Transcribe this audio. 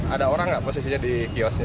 ada orang nggak posisinya di kiosnya